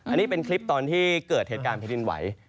อันนี้เป็นคลิปตอนที่เกิดเทศกาลพิธีนวัย